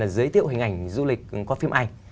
giới thiệu hình ảnh du lịch qua phim ảnh